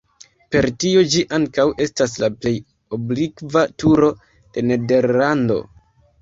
Per tio ĝi ankaŭ estas la plej oblikva turo de Nederlando.